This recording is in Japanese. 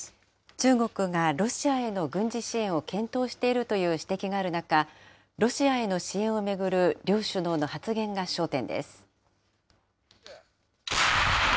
中国がロシアへの軍事支援を検討しているという指摘がある中、ロシアへの支援を巡る両首脳の発言が焦点です。